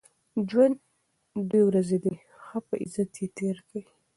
ژوند دوې ورځي دئ، ښه په عزت ئې تېر کئ!